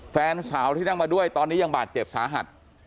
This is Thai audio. แฟนสาวที่นั่งมาด้วยตอนนี้ยังบาดเจ็บสาหัส